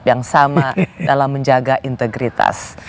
yang sama dalam menjaga integritas